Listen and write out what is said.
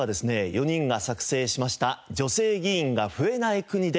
４人が作成しました『女性議員が増えない国で』